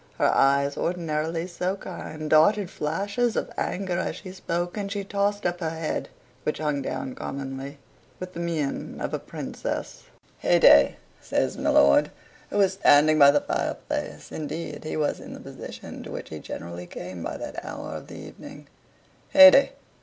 her eyes, ordinarily so kind, darted flashes of anger as she spoke; and she tossed up her head (which hung down commonly) with the mien of a princess. "Hey day!" says my lord, who was standing by the fireplace indeed he was in the position to which he generally came by that hour of the evening "Hey day!